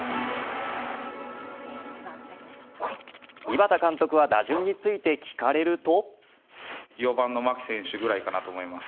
井端監督は打順について聞かれると。